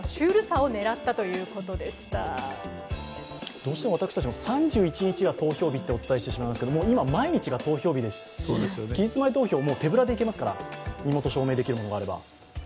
どうしても私たちも３１日が投票日とお伝えしてしまいますが、今、毎日が投票日ですし期日前投票、手ぶらでいけますから、身元を証明できるものがあれば。